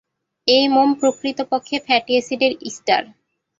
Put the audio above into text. এই মোম প্রকৃতপক্ষে ফ্যাটি এসিডের ইস্টার।